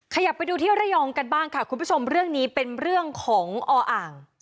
ขยับไปดูที่ระยองกันบ้างค่ะคุณผู้ชมเรื่องนี้เป็นเรื่องของออ่าง